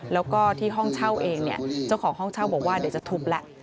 แล้วก็ที่ห้องเช่าเองเนี่ยเจ้าของห้องเช่าบอกว่าเดี๋ยวจะทุบแล้ว